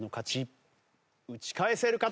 打ち返せるか？